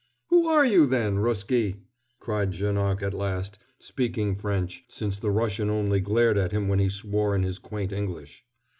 "Who are you, then, Ruski?" cried Janoc at last, speaking French, since the Russian only glared at him when he swore in his quaint English.